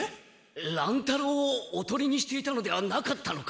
乱太郎をおとりにしていたのではなかったのか？